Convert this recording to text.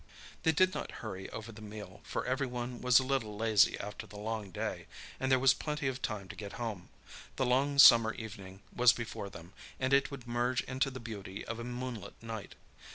They did not hurry over the meal, for everyone was a little lazy after the long day, and there was plenty of time to get home—the long summer evening was before them, and it would merge into the beauty of a moonlit night.